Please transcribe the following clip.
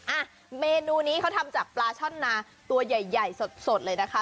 อ่ะเมนูนี้เขาทำจากปลาช่อนนาตัวใหญ่ใหญ่สดเลยนะคะ